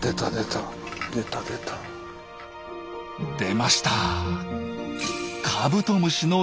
出ました。